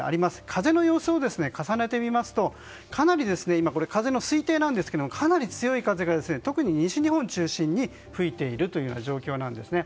風の予想を重ねてみますとかなり今、風の推定なんですけどかなり強い風が、特に西日本を中心に吹いている状況ですね。